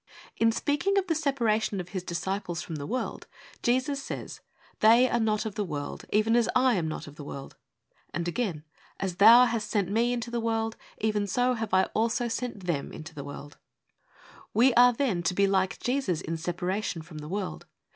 In speaking of the separation of His disciples from the world, Jesus says, 'They are not of the world, even as I am not of the world.' And again, 'As Thou hast sent Me into the world, even so have I also sent them into the world ' (John xvii. i6, i8.) We are, then, to be like Jesus in separation from the world.